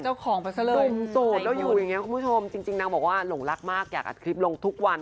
ต้มโสดแล้วอยู่อย่างนี้คุณผู้ชมจริงนางบอกว่าหลงรักมากอยากอัดคลิปลงทุกวัน